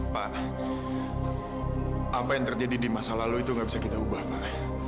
pak apa yang terjadi di masa lalu itu nggak bisa kita ubah pak